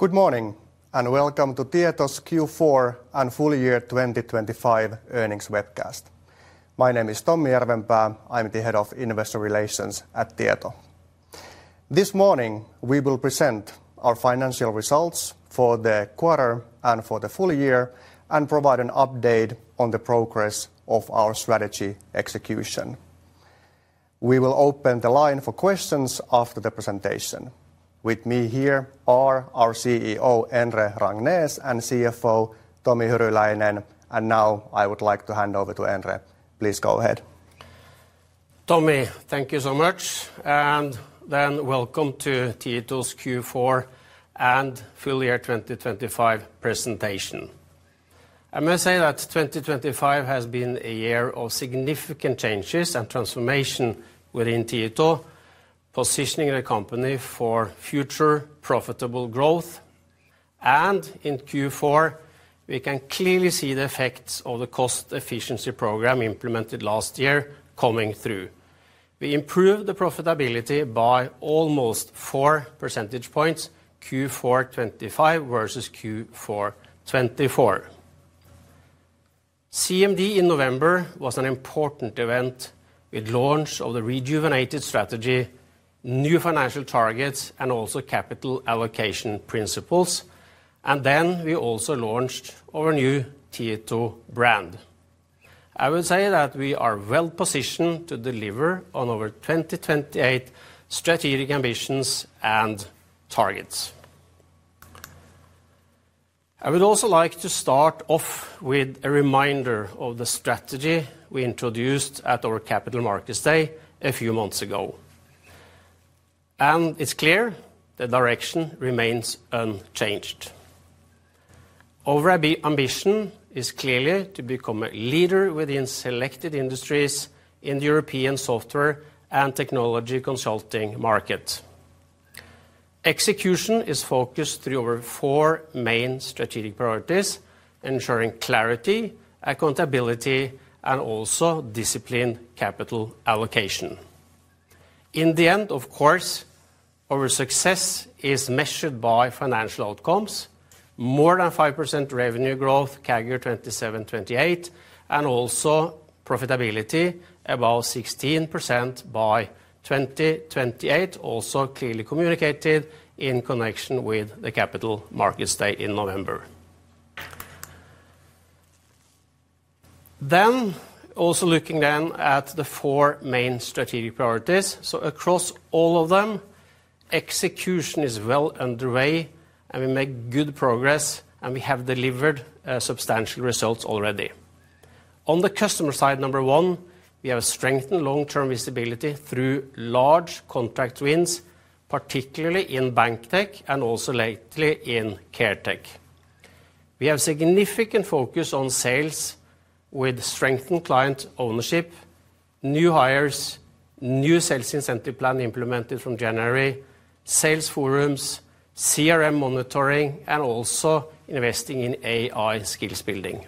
Good morning, and welcome to Tieto's Q4 and Full Year 2025 Earnings Webcast. My name is Tommi Järvenpää. I'm the head of Investor Relations at Tieto. This morning, we will present our financial results for the quarter and for the full year and provide an update on the progress of our strategy execution. We will open the line for questions after the presentation. With me here are our CEO, Endre Rangnes, and CFO, Tomi Hyryläinen, and now I would like to hand over to Endre. Please go ahead. Tommi, thank you so much, and then welcome to Tieto's Q4 and full year 2025 presentation. I must say that 2025 has been a year of significant changes and transformation within Tieto, positioning the company for future profitable growth. In Q4, we can clearly see the effects of the cost efficiency program implemented last year coming through. We improved the profitability by almost 4 percentage points, Q4 2025 versus Q4 2024. CMD in November was an important event with launch of the rejuvenated strategy, new financial targets, and also capital allocation principles, and then we also launched our new Tieto brand. I would say that we are well positioned to deliver on our 2028 strategic ambitions and targets. I would also like to start off with a reminder of the strategy we introduced at our Capital Markets Day a few months ago, and it's clear the direction remains unchanged. Our ambition is clearly to become a leader within selected industries in the European software and technology consulting market. Execution is focused through our four main strategic priorities, ensuring clarity, accountability, and also disciplined capital allocation. In the end, of course, our success is measured by financial outcomes, more than 5% revenue growth, CAGR 27-28, and also profitability above 16% by 2028, also clearly communicated in connection with the Capital Markets Day in November. Then, also looking then at the four main strategic priorities. So across all of them, execution is well underway, and we make good progress, and we have delivered substantial results already. On the customer side, number one, we have strengthened long-term visibility through large contract wins, particularly in BankTech and also lately in CareTech. We have significant focus on sales with strengthened client ownership, new hires, new sales incentive plan implemented from January, sales forums, CRM monitoring, and also investing in AI skills building.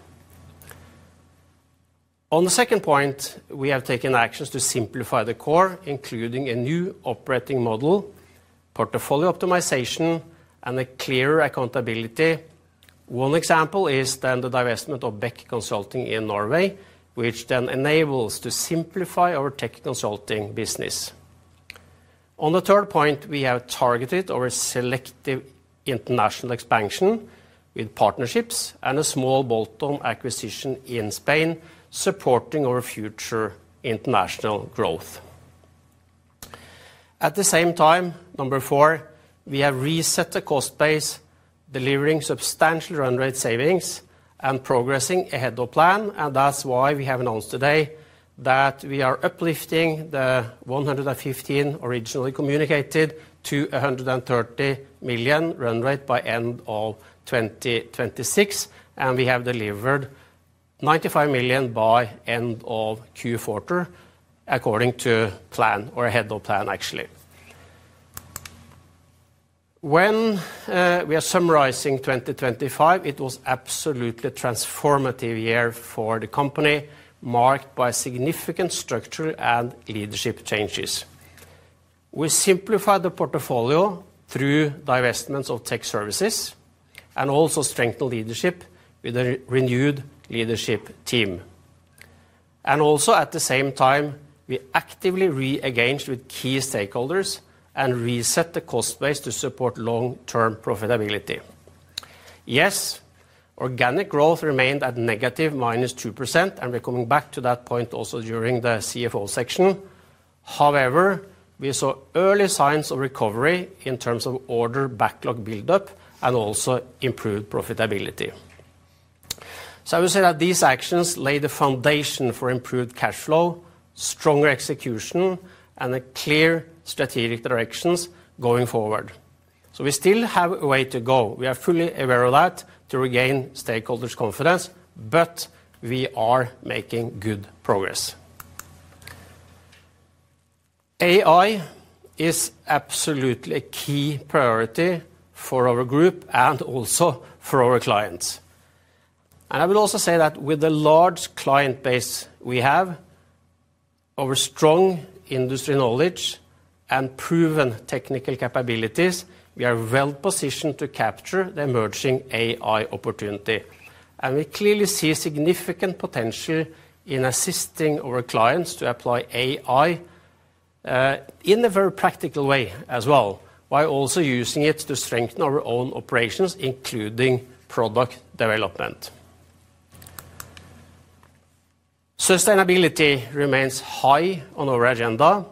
On the second point, we have taken actions to simplify the core, including a new operating model, portfolio optimization, and a clearer accountability. One example is then the divestment of Bekk Consulting in Norway, which then enables to simplify our Tech Consulting business. On the third point, we have targeted our selective international expansion with partnerships and a small bolt-on acquisition in Spain, supporting our future international growth. At the same time, number 4, we have reset the cost base, delivering substantial run rate savings and progressing ahead of plan, and that's why we have announced today that we are uplifting the 115 million originally communicated to 130 million run rate by end of 2026, and we have delivered 95 million by end of Q4, according to plan or ahead of plan, actually. When we are summarizing 2025, it was absolutely a transformative year for the company, marked by significant structural and leadership changes. We simplified the portfolio through divestments of Tech Services and also strengthened leadership with a renewed leadership team. And also, at the same time, we actively re-engaged with key stakeholders and reset the cost base to support long-term profitability. Yes, organic growth remained at negative minus 2%, and we're coming back to that point also during the CFO section. However, we saw early signs of recovery in terms of order backlog buildup and also improved profitability. So I would say that these actions lay the foundation for improved cash flow, stronger execution, and a clear strategic directions going forward. So we still have a way to go, we are fully aware of that, to regain stakeholders' confidence, but we are making good progress. AI is absolutely a key priority for our group and also for our clients. And I will also say that with the large client base we have-... Our strong industry knowledge and proven technical capabilities, we are well positioned to capture the emerging AI opportunity, and we clearly see significant potential in assisting our clients to apply AI in a very practical way as well, while also using it to strengthen our own operations, including product development. Sustainability remains high on our agenda,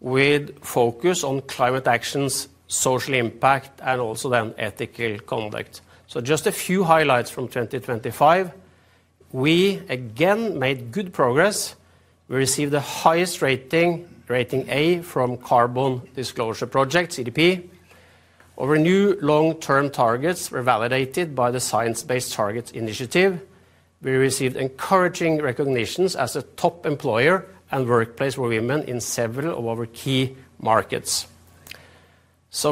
with focus on climate actions, social impact, and also then ethical conduct. So just a few highlights from 2025. We again made good progress. We received the highest rating, rating A, from Carbon Disclosure Project, CDP. Our new long-term targets were validated by the Science-Based Targets initiative. We received encouraging recognitions as a top employer and workplace for women in several of our key markets.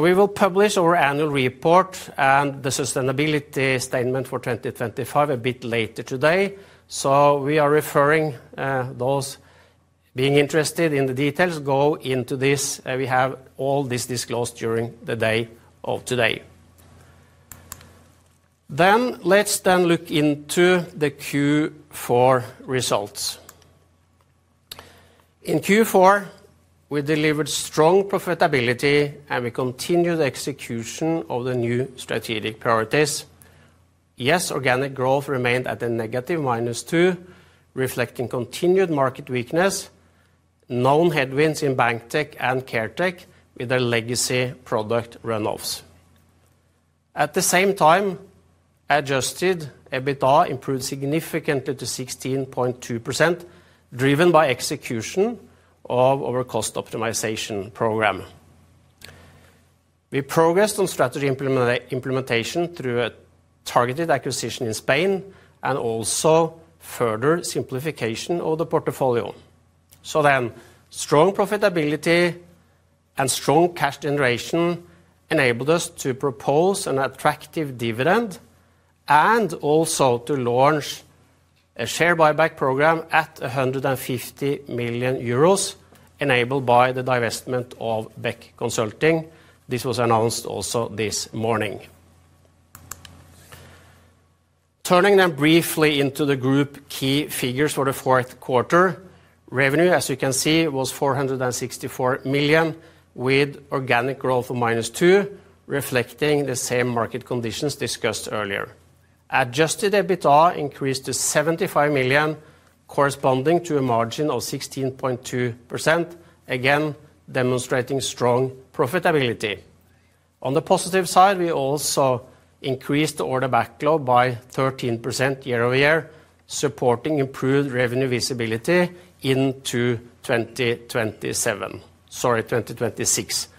We will publish our annual report and the sustainability statement for 2025 a bit later today, so we are referring those being interested in the details go into this. We have all this disclosed during the day of today. Let's look into the Q4 results. In Q4, we delivered strong profitability, and we continued the execution of the new strategic priorities. Yes, organic growth remained at a negative -2, reflecting continued market weakness, known headwinds in BankTech and CareTech with their legacy product runoffs. At the same time, Adjusted EBITDA improved significantly to 16.2%, driven by execution of our cost optimization program. We progressed on strategy implementation through a targeted acquisition in Spain and also further simplification of the portfolio. So then, strong profitability and strong cash generation enabled us to propose an attractive dividend and also to launch a share buyback program at 150 million euros, enabled by the divestment of Bekk Consulting. This was announced also this morning. Turning to them briefly into the group key figures for the Q4. Revenue, as you can see, was 464 million, with organic growth of -2%, reflecting the same market conditions discussed earlier. Adjusted EBITDA increased to 75 million, corresponding to a margin of 16.2%, again, demonstrating strong profitability. On the positive side, we also increased the order backlog by 13% year-over-year, supporting improved revenue visibility into 2027—sorry, 2026.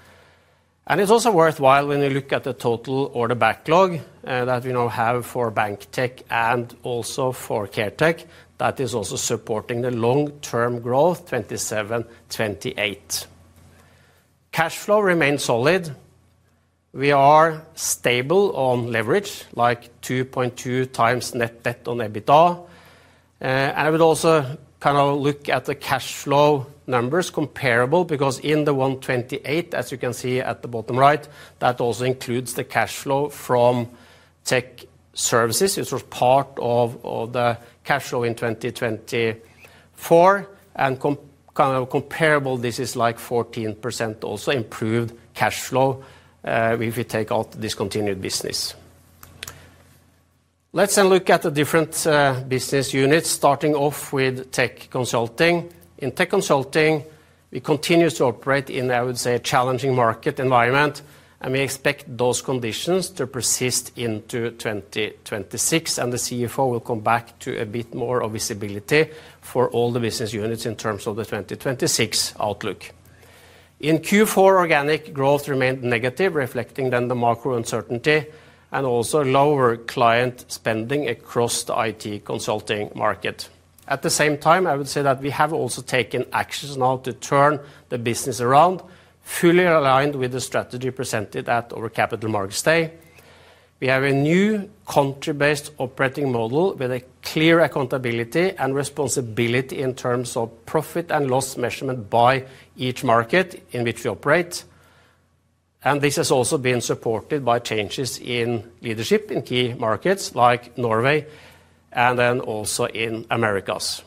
It's also worthwhile when you look at the total order backlog that we now have for BankTech and also for Caretech, that is also supporting the long-term growth, 27-28. Cash flow remains solid. We are stable on leverage, like 2.2x net debt on EBITDA. I would also kind of look at the cash flow numbers comparable, because in 2028, as you can see at the bottom right, that also includes the cash flow from Tech Services. It's sort of part of the cash flow in 2024, and comparable, this is like 14%, also improved cash flow, if we take out the discontinued business. Let's then look at the different business units, starting off with Tech Consulting. In Tech Consulting, we continue to operate in, I would say, a challenging market environment, and we expect those conditions to persist into 2026, and the CFO will come back to a bit more of visibility for all the business units in terms of the 2026 outlook. In Q4, organic growth remained negative, reflecting then the macro uncertainty and also lower client spending across the IT consulting market. At the same time, I would say that we have also taken actions now to turn the business around, fully aligned with the strategy presented at our Capital Markets Day. We have a new country-based operating model with a clear accountability and responsibility in terms of profit and loss measurement by each market in which we operate, and this has also been supported by changes in leadership in key markets like Norway and then also in Americas.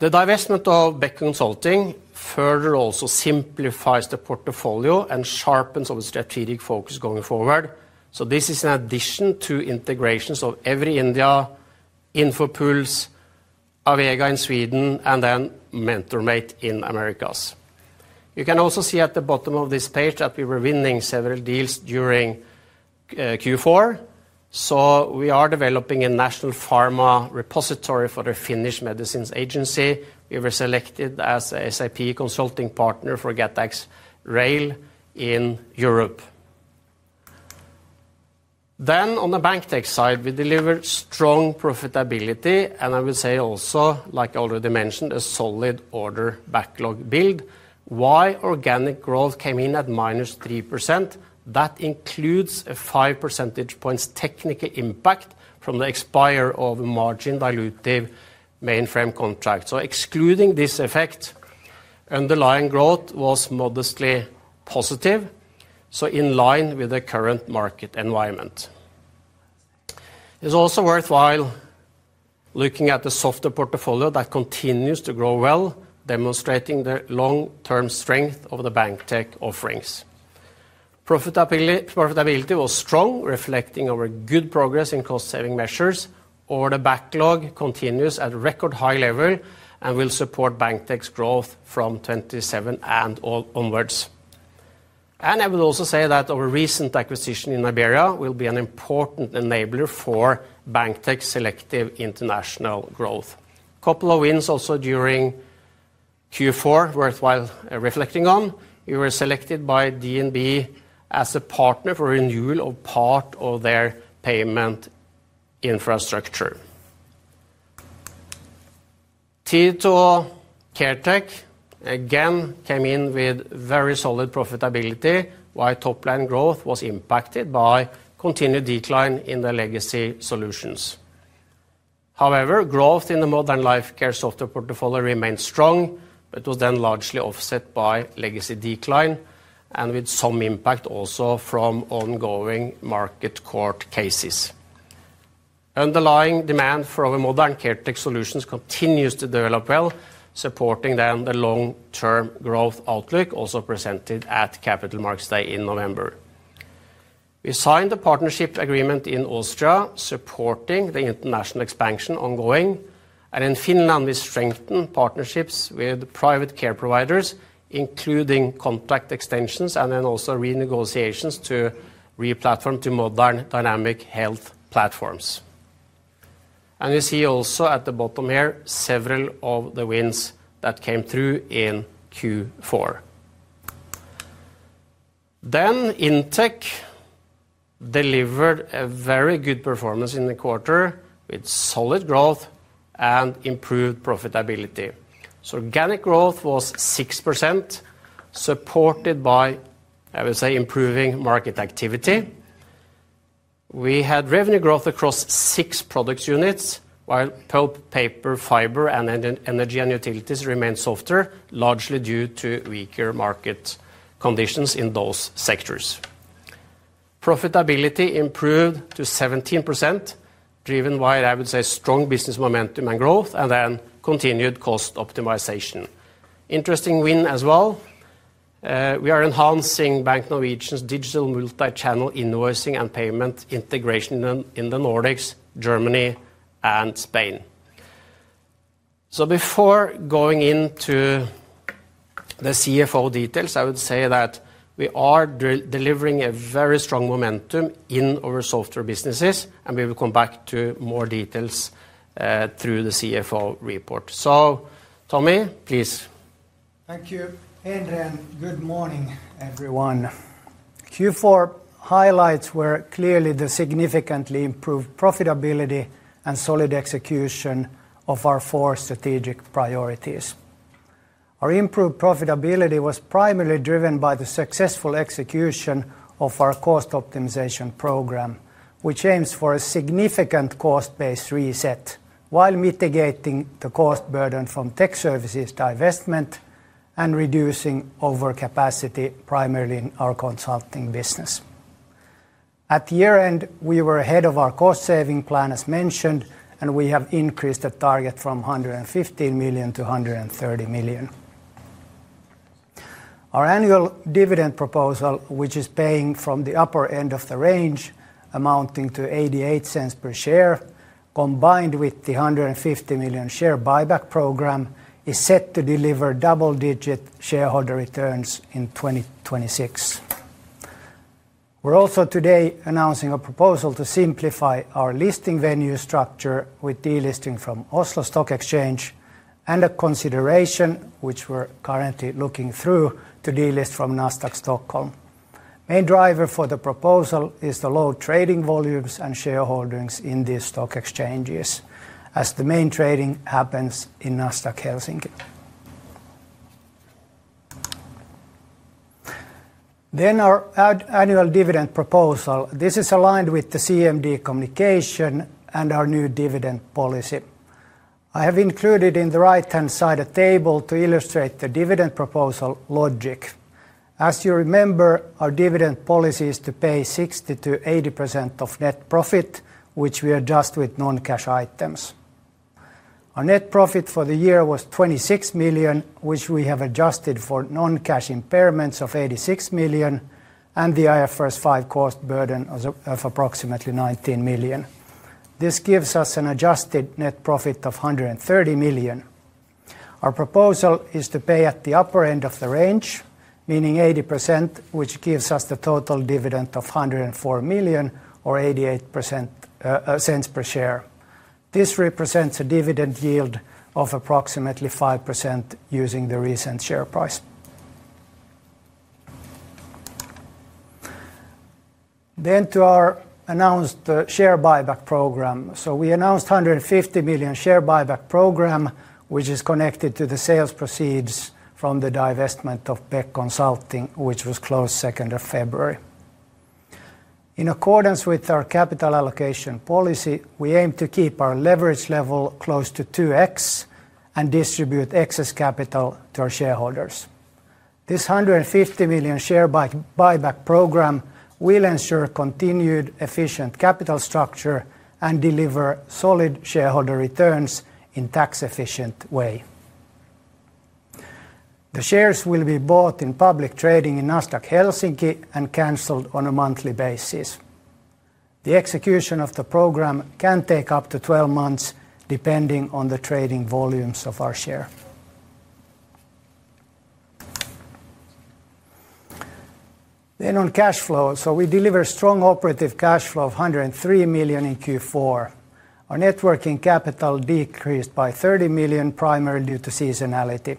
The divestment of Bekk Consulting further also simplifies the portfolio and sharpens our strategic focus going forward. So this is an addition to integrations of EVRY India, Infopulse, Avega in Sweden, and then MentorMate in Americas. You can also see at the bottom of this page that we were winning several deals during Q4, so we are developing a national pharma repository for the Finnish Medicines Agency. We were selected as SAP consulting partner for GATX Rail in Europe. Then on the BankTech side, we delivered strong profitability, and I would say also, like I already mentioned, a solid order backlog build. While organic growth came in at -3%, that includes a five percentage points technical impact from the expire of the margin dilutive mainframe contract. So excluding this effect, underlying growth was modestly positive.... positive, so in line with the current market environment. It's also worthwhile looking at the software portfolio that continues to grow well, demonstrating the long-term strength of the BankTech offerings. Profitability was strong, reflecting our good progress in cost-saving measures. Our backlog continues at record high level and will support BankTech's growth from 27 and onwards. I will also say that our recent acquisition in Iberia will be an important enabler for BankTech selective international growth. Couple of wins also during Q4 worthwhile, reflecting on. We were selected by DNB as a partner for renewal of part of their payment infrastructure. Tieto CareTech, again, came in with very solid profitability, while top-line growth was impacted by continued decline in the legacy solutions. However, growth in the modern life care software portfolio remained strong, but was then largely offset by legacy decline and with some impact also from ongoing market court cases. Underlying demand for our modern CareTech solutions continues to develop well, supporting then the long-term growth outlook, also presented at Capital Markets Day in November. We signed a partnership agreement in Austria, supporting the international expansion ongoing, and in Finland, we strengthened partnerships with private care providers, including contract extensions and then also renegotiations to re-platform to modern Dynamic Health platforms. You see also at the bottom here, several of the wins that came through in Q4. IndTech delivered a very good performance in the quarter, with solid growth and improved profitability. Organic growth was 6%, supported by, I would say, improving market activity. We had revenue growth across six product units, while pulp, paper, fiber, and energy and utilities remained softer, largely due to weaker market conditions in those sectors. Profitability improved to 17%, driven by, I would say, strong business momentum and growth and then continued cost optimization. Interesting win as well, we are enhancing Bank Norwegian's digital multi-channel invoicing and payment integration in the Nordics, Germany, and Spain. So before going into the CFO details, I would say that we are delivering a very strong momentum in our software businesses, and we will come back to more details through the CFO report. So Tommi, please. Thank you, Endre, and good morning, everyone. Q4 highlights were clearly the significantly improved profitability and solid execution of our four strategic priorities. Our improved profitability was primarily driven by the successful execution of our cost optimization program, which aims for a significant cost-based reset while mitigating the cost burden from Tech Services divestment and reducing overcapacity, primarily in our consulting business. At the year-end, we were ahead of our cost-saving plan, as mentioned, and we have increased the target from 115 million to 130 million. Our annual dividend proposal, which is paying from the upper end of the range, amounting to 0.88 per share, combined with the 150 million share buyback program, is set to deliver double-digit shareholder returns in 2026. We're also today announcing a proposal to simplify our listing venue structure with delisting from Oslo Stock Exchange and a consideration, which we're currently looking through, to delist from Nasdaq Stockholm. Main driver for the proposal is the low trading volumes and shareholdings in these stock exchanges, as the main trading happens in Nasdaq Helsinki. Then our annual dividend proposal. This is aligned with the CMD communication and our new dividend policy. I have included in the right-hand side a table to illustrate the dividend proposal logic. As you remember, our dividend policy is to pay 60%-80% of net profit, which we adjust with non-cash items. Our net profit for the year was 26 million, which we have adjusted for non-cash impairments of 86 million and the IFRS 5 cost burden of approximately 19 million. This gives us an adjusted net profit of 130 million. Our proposal is to pay at the upper end of the range, meaning 80%, which gives us the total dividend of 104 million or 0.88 per share. This represents a dividend yield of approximately 5% using the recent share price. Then to our announced share buyback program. So we announced 150 million share buyback program, which is connected to the sales proceeds from the divestment of Bekk Consulting, which was closed second of February. In accordance with our capital allocation policy, we aim to keep our leverage level close to 2x and distribute excess capital to our shareholders. This 150 million share buyback program will ensure continued efficient capital structure and deliver solid shareholder returns in tax-efficient way. The shares will be bought in public trading in Nasdaq Helsinki, and canceled on a monthly basis. The execution of the program can take up to 12 months, depending on the trading volumes of our share. Then on cash flow. So we deliver strong operating cash flow of 103 million in Q4. Our net working capital decreased by 30 million, primarily due to seasonality.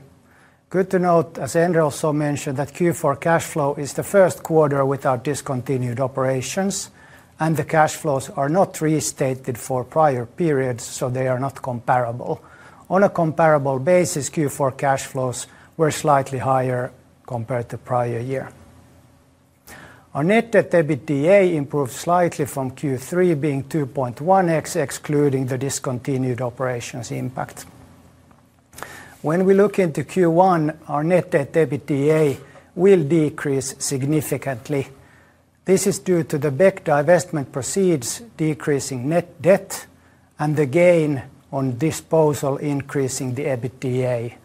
Good to note, as Endre also mentioned, that Q4 cash flow is the Q1 without discontinued operations, and the cash flows are not restated for prior periods, so they are not comparable. On a comparable basis, Q4 cash flows were slightly higher compared to prior year. Our net debt EBITDA improved slightly from Q3, being 2.1x, excluding the discontinued operations impact. When we look into Q1, our net debt EBITDA will decrease significantly. This is due to the big divestment proceeds decreasing net debt and the gain on disposal increasing the EBITDA.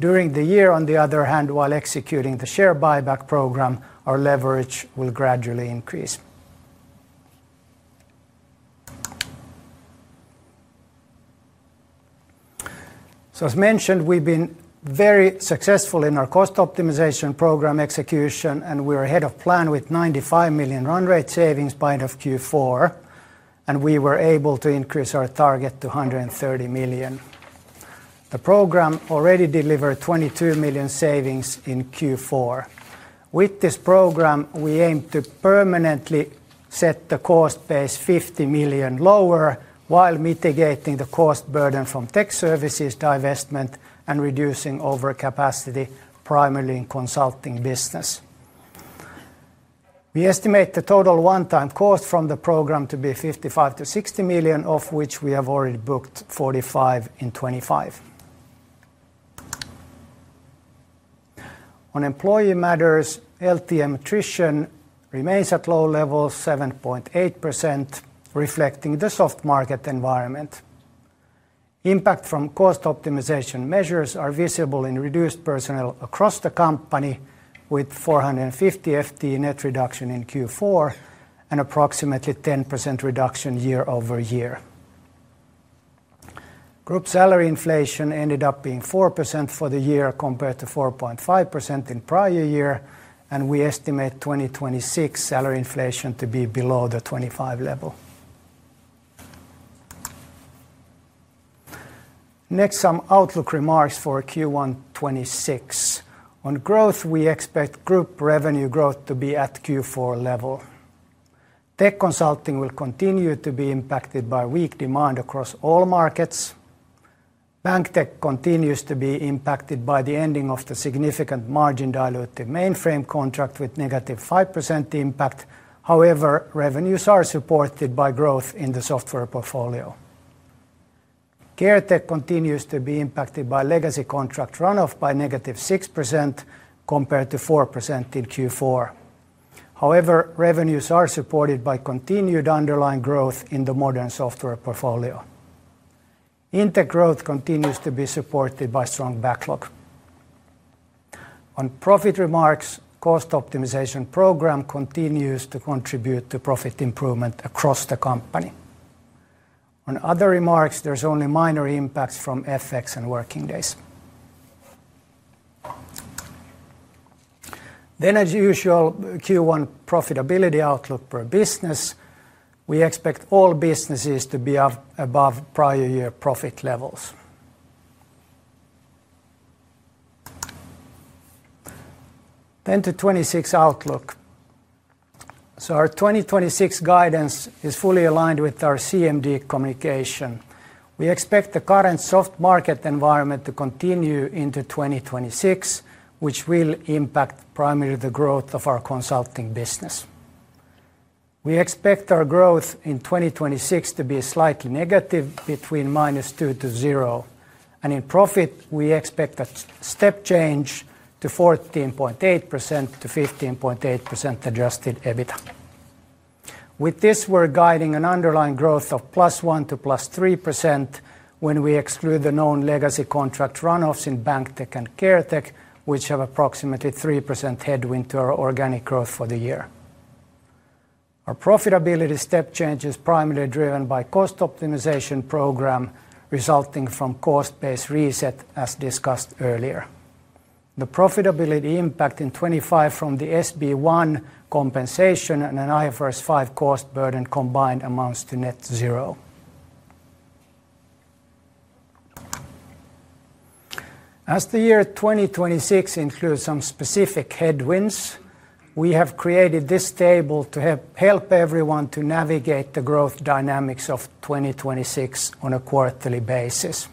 During the year, on the other hand, while executing the share buyback program, our leverage will gradually increase. So as mentioned, we've been very successful in our cost optimization program execution, and we're ahead of plan with 95 million run rate savings by end of Q4, and we were able to increase our target to 130 million. The program already delivered 22 million savings in Q4. With this program, we aim to permanently set the cost base 50 million lower, while mitigating the cost burden from Tech Services divestment and reducing overcapacity, primarily in consulting business. We estimate the total one-time cost from the program to be 55-60 million, of which we have already booked 45 million in 2025. On employee matters, LTM attrition remains at low levels, 7.8%, reflecting the soft market environment. Impact from cost optimization measures are visible in reduced personnel across the company, with 450 FTE net reduction in Q4, and approximately 10% reduction year-over-year. Group salary inflation ended up being 4% for the year, compared to 4.5% in prior year, and we estimate 2026 salary inflation to be below the 25 level. Next, some outlook remarks for Q1 2026. On growth, we expect group revenue growth to be at Q4 level. Tech Consulting will continue to be impacted by weak demand across all markets. BankTech continues to be impacted by the ending of the significant margin dilutive mainframe contract with -5% impact. However, revenues are supported by growth in the software portfolio. CareTech continues to be impacted by legacy contract run-off by -6% compared to 4% in Q4. However, revenues are supported by continued underlying growth in the modern software portfolio. IndTech growth continues to be supported by strong backlog. On profit remarks, cost optimization program continues to contribute to profit improvement across the company. On other remarks, there's only minor impacts from FX and working days. Then, as usual, Q1 profitability outlook per business. We expect all businesses to be of above prior year profit levels. Then to 2026 outlook. So our 2026 guidance is fully aligned with our CMD communication. We expect the current soft market environment to continue into 2026, which will impact primarily the growth of our consulting business. We expect our growth in 2026 to be slightly negative, between -2% to 0%, and in profit, we expect a step change to 14.8%-15.8% adjusted EBITDA. With this, we're guiding an underlying growth of +1% to +3% when we exclude the known legacy contract runoffs in BankTech and CareTech, which have approximately 3% headwind to our organic growth for the year. Our profitability step change is primarily driven by cost optimization program, resulting from cost-based reset, as discussed earlier. The profitability impact in 2025 from the SB1 compensation and an IFRS 5 cost burden combined amounts to net zero. As the year 2026 includes some specific headwinds, we have created this table to help everyone to navigate the growth dynamics of 2026 on a quarterly basis.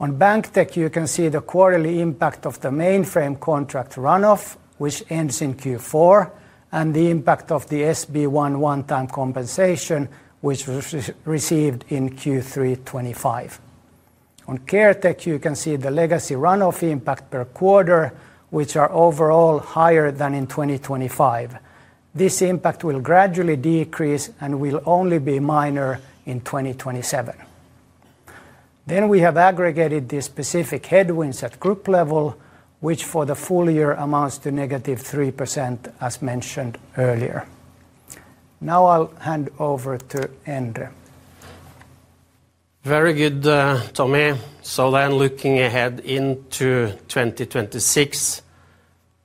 On BankTech, you can see the quarterly impact of the mainframe contract run-off, which ends in Q4, and the impact of the SB1 one-time compensation, which was received in Q3 2025. On Caretech, you can see the legacy run-off impact per quarter, which are overall higher than in 2025. This impact will gradually decrease and will only be minor in 2027. Then we have aggregated the specific headwinds at group level, which for the full year amounts to negative 3%, as mentioned earlier. Now I'll hand over to Endre. Very good, Tommy. So then looking ahead into 2026,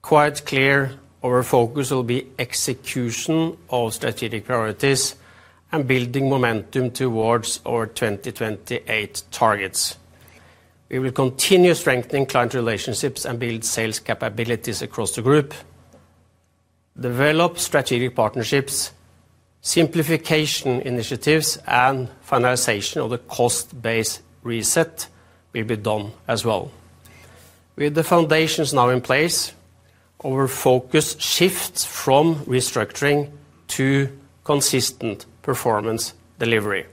quite clear our focus will be execution of strategic priorities and building momentum towards our 2028 targets. We will continue strengthening client relationships and build sales capabilities across the group, develop strategic partnerships, simplification initiatives, and finalization of the cost-based reset will be done as well. With the foundations now in place, our focus shifts from restructuring to consistent performance delivery.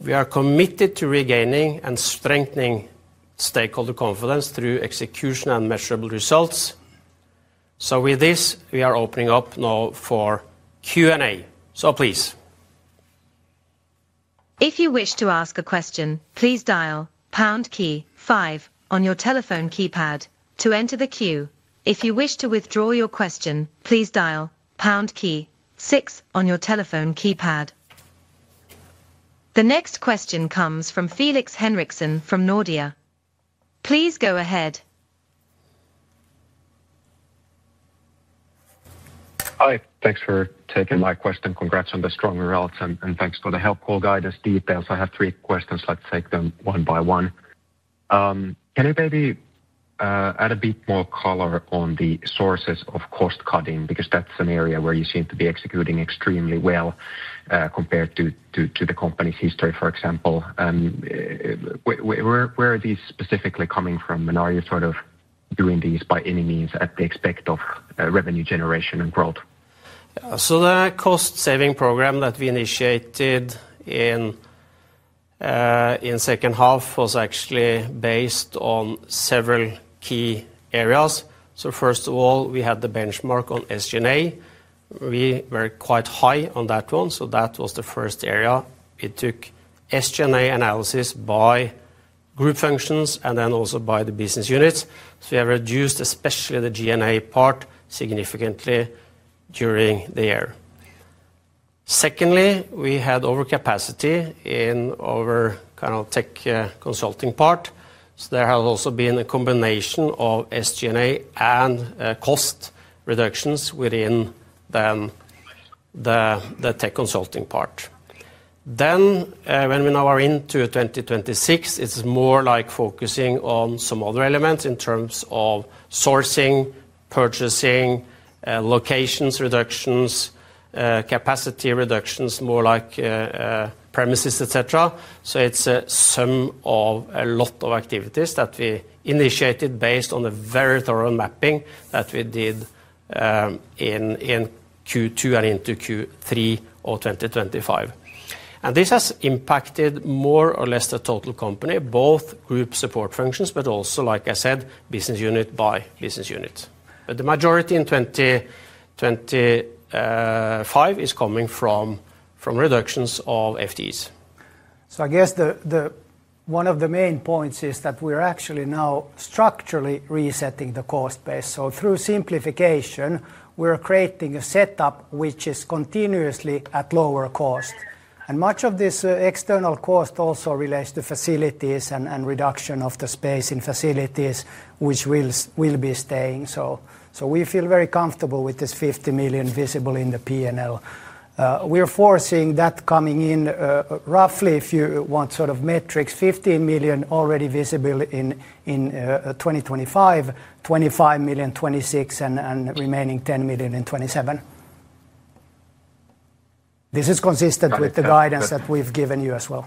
We are committed to regaining and strengthening stakeholder confidence through execution and measurable results. So with this, we are opening up now for Q&A. So please. If you wish to ask a question, please dial pound key five on your telephone keypad to enter the queue. If you wish to withdraw your question, please dial pound key six on your telephone keypad. The next question comes from Felix Henriksson from Nordea. Please go ahead. Hi. Thanks for taking my question. Congrats on the strong results, and thanks for the help call guidance details. I have three questions. Let's take them one by one. Can you maybe add a bit more color on the sources of cost cutting? Because that's an area where you seem to be executing extremely well, compared to the company's history, for example. Where are these specifically coming from, and are you sort of doing these by any means at the expense of revenue generation and growth? So the cost-saving program that we initiated in second half was actually based on several key areas. So first of all, we had the benchmark on SG&A. We were quite high on that one, so that was the first area. It took SG&A analysis by group functions and then also by the business units. So we have reduced, especially the G&A part, significantly during the year. Secondly, we had overcapacity in our kind of Tech Consulting part. So there has also been a combination of SG&A and cost reductions within the Tech Consulting part. Then when we now are into 2026, it's more like focusing on some other elements in terms of sourcing, purchasing locations reductions, capacity reductions, more like premises, et cetera. So it's a sum of a lot of activities that we initiated based on a very thorough mapping that we did in Q2 and into Q3 of 2025. And this has impacted more or less the total company, both group support functions, but also, like I said, business unit by business unit. But the majority in 2025 is coming from reductions of FTEs. So I guess one of the main points is that we're actually now structurally resetting the cost base. So through simplification, we're creating a setup which is continuously at lower cost. And much of this external cost also relates to facilities and reduction of the space in facilities, which will be staying. So we feel very comfortable with this 50 million visible in the P&L. We are foreseeing that coming in, roughly, if you want sort of metrics, 15 million already visible in 2025, 25 million 2026, and remaining 10 million in 2027. This is consistent with the guidance that we've given you as well.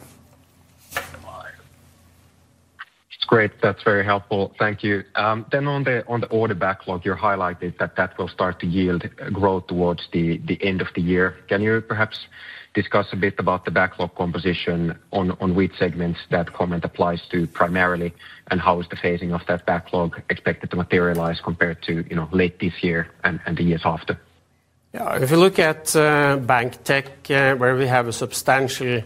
It's great. That's very helpful. Thank you. Then on the order backlog, you highlighted that that will start to yield growth towards the end of the year. Can you perhaps discuss a bit about the backlog composition on which segments that comment applies to primarily? And how is the phasing of that backlog expected to materialize compared to, you know, late this year and the years after? Yeah. If you look at BankTech, where we have a substantial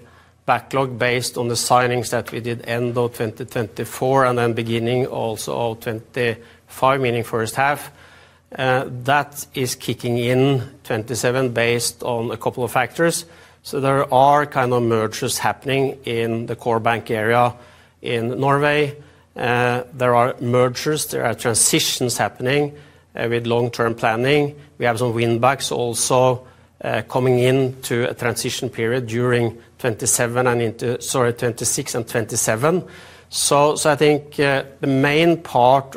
backlog based on the signings that we did end of 2024 and then beginning also of 2025, meaning first half, that is kicking in 2027 based on a couple of factors. So there are kind of mergers happening in the core bank area in Norway. There are mergers, there are transitions happening, with long-term planning. We have some windbacks also, coming into a transition period during 2027 and into... Sorry, 2026 and 2027. So I think the main part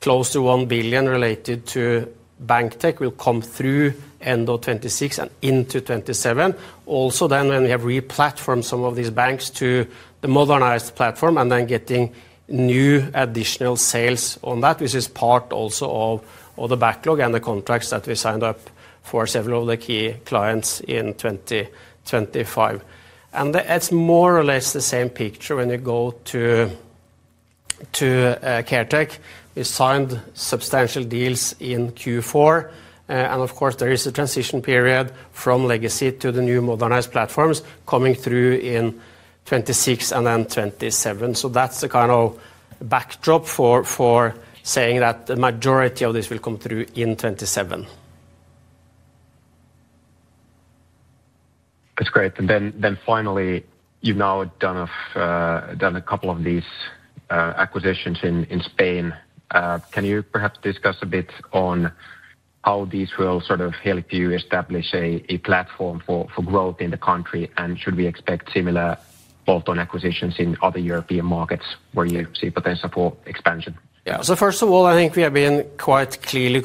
close to 1 billion related to BankTech will come through end of 2026 and into 2027. Also, then when we have re-platformed some of these banks to the modernized platform and then getting new additional sales on that, which is part also of the backlog and the contracts that we signed up for several of the key clients in 2025. It's more or less the same picture when you go to CareTech. We signed substantial deals in Q4, and of course, there is a transition period from legacy to the new modernized platforms coming through in 2026 and then 2027. That's the kind of backdrop for saying that the majority of this will come through in 2027. That's great. And then finally, you've now done a couple of these acquisitions in Spain. Can you perhaps discuss a bit on how these will sort of help you establish a platform for growth in the country? And should we expect similar bolt-on acquisitions in other European markets where you see potential for expansion? Yeah. So first of all, I think we have been quite clearly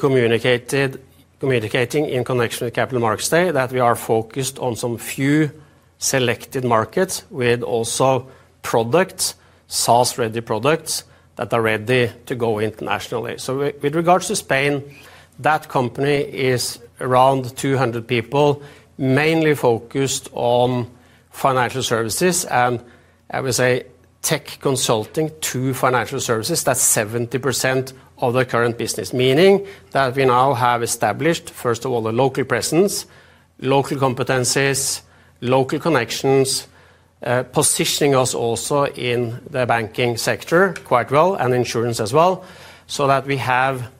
communicating in connection with Capital Markets Day, that we are focused on some few selected markets with also products, SaaS-ready products, that are ready to go internationally. So with regards to Spain, that company is around 200 people, mainly focused on financial services, and I would say Tech Consulting to financial services. That's 70% of the current business, meaning that we now have established, first of all, a local presence, local competencies, local connections, positioning us also in the banking sector quite well, and insurance as well, so that we have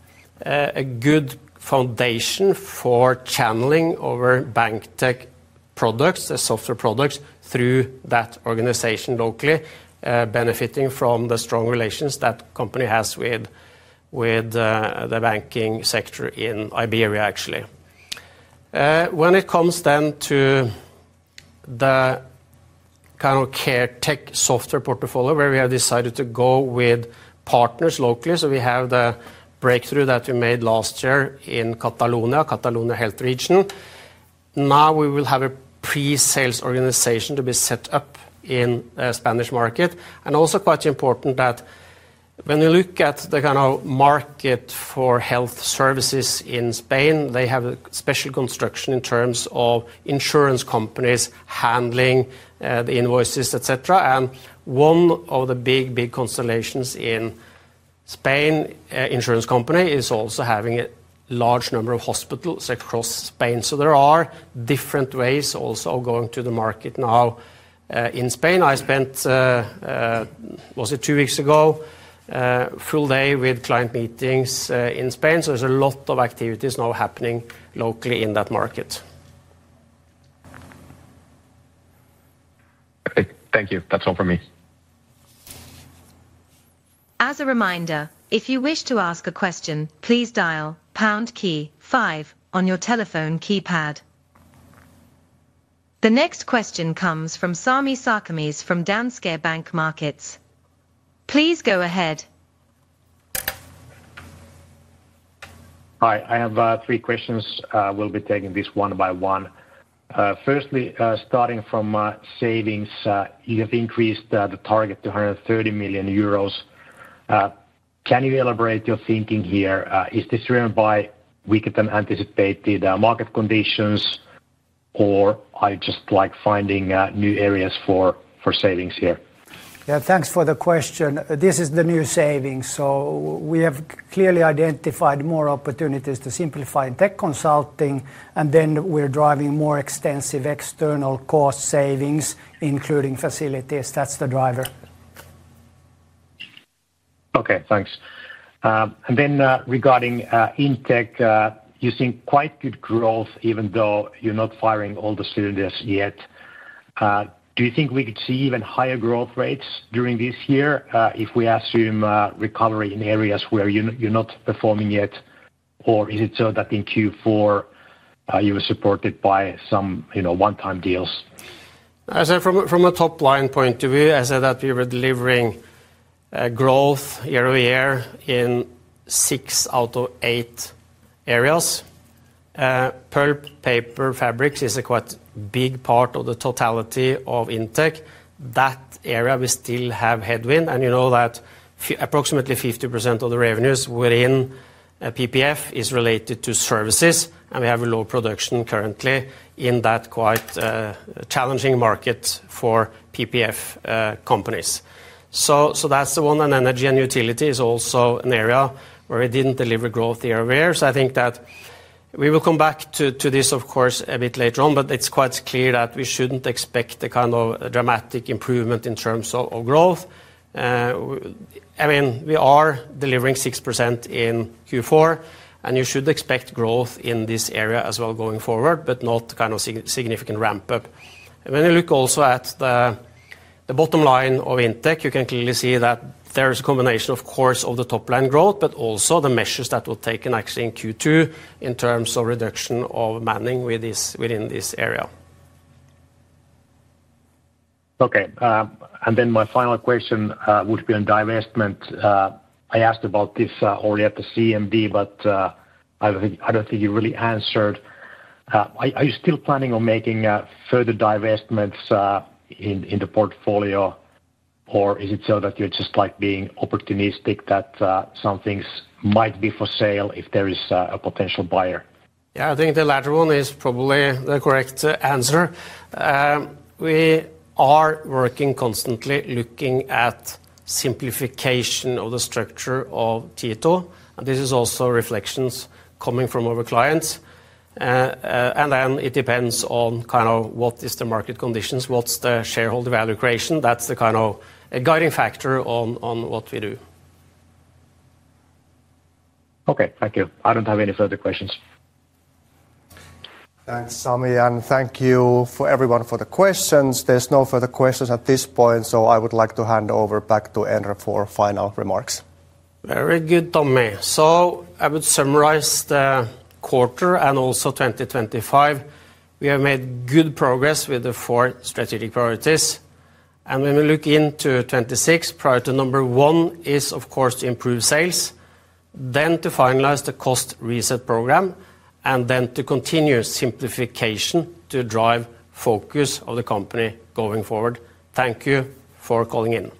a good foundation for channeling our BankTech products, the software products, through that organization locally, benefiting from the strong relations that company has with the banking sector in Iberia, actually. When it comes then to the kind of CareTech software portfolio, where we have decided to go with partners locally, so we have the breakthrough that we made last year in Catalonia, Catalonia health region. Now we will have a pre-sales organization to be set up in a Spanish market. Also quite important that when you look at the kind of market for health services in Spain, they have a special construction in terms of insurance companies handling the invoices, et cetera. One of the big, big constellations in Spain, insurance company, is also having a large number of hospitals across Spain. So there are different ways also going to the market now in Spain. I spent, was it 2 weeks ago, full day with client meetings in Spain, so there's a lot of activities now happening locally in that market. Okay. Thank you. That's all for me. As a reminder, if you wish to ask a question, please dial pound key five on your telephone keypad. The next question comes from Sami Sarkamies from Danske Bank Markets. Please go ahead. Hi, I have three questions. We'll be taking this one by one. Firstly, starting from savings, you have increased the target to 130 million euros. Can you elaborate your thinking here? Is this driven by weaker-than-anticipated market conditions, or are you just, like, finding new areas for savings here? Yeah, thanks for the question. This is the new savings, so we have clearly identified more opportunities to simplify Tech Consulting, and then we're driving more extensive external cost savings, including facilities. That's the driver. Okay, thanks. And then, regarding IndTech, you've seen quite good growth, even though you're not firing all the cylinders yet. Do you think we could see even higher growth rates during this year, if we assume recovery in areas where you're not performing yet? Or is it so that in Q4, you were supported by some, you know, one-time deals? From a top-line point of view, I said that we were delivering growth year-over-year in six out of eight areas. Pulp, Paper, Fiber is a quite big part of the totality of IndTech. That area, we still have headwind, and you know that approximately 50% of the revenues within PPF is related to services, and we have a low production currently in that quite challenging market for PPF companies. So that's the one, and energy and utility is also an area where we didn't deliver growth year-over-year. So I think that we will come back to this, of course, a bit later on, but it's quite clear that we shouldn't expect the kind of dramatic improvement in terms of growth. I mean, we are delivering 6% in Q4, and you should expect growth in this area as well going forward, but not kind of significant ramp up. When you look also at the bottom line of IndTech, you can clearly see that there is a combination, of course, of the top-line growth, but also the measures that were taken actually in Q2 in terms of reduction of manning within this area. Okay, and then my final question would be on divestment. I asked about this already at the CMD, but I don't think you really answered. Are you still planning on making further divestments in the portfolio, or is it so that you're just, like, being opportunistic, that some things might be for sale if there is a potential buyer? Yeah, I think the latter one is probably the correct answer. We are working constantly, looking at simplification of the structure of Tieto, and this is also reflections coming from our clients. And then it depends on kind of what is the market conditions, what's the shareholder value creation. That's the kind of a guiding factor on what we do. Okay, thank you. I don't have any further questions. Thanks, Sami, and thank you for everyone for the questions. There's no further questions at this point, so I would like to hand over back to Endre for final remarks. Very good, Tommy. I would summarize the quarter and also 2025. We have made good progress with the four strategic priorities. When we look into 2026, priority number one is, of course, to improve sales, then to finalize the cost reset program, and then to continue simplification to drive focus of the company going forward. Thank you for calling in.